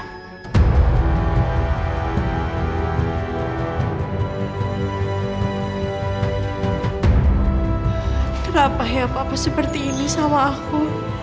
kenapa ya papa seperti ini sama aku